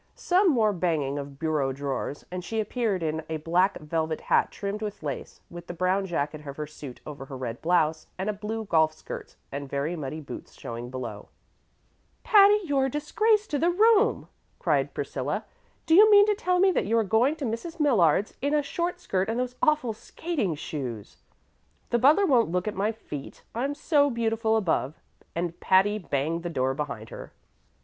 Some more banging of bureau drawers, and she appeared in a black velvet hat trimmed with lace, with the brown jacket of her suit over her red blouse, and a blue golf skirt and very muddy boots showing below. "Patty, you're a disgrace to the room!" cried Priscilla. "Do you mean to tell me that you are going to Mrs. Millard's in a short skirt and those awful skating shoes?" "The butler won't look at my feet; I'm so beautiful above"; and Patty banged the door behind her.